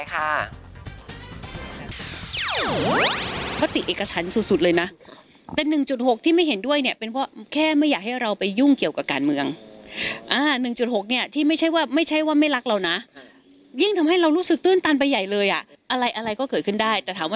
ก็ขอให้เป็นเรื่องของอนาคตต่อไปค่ะ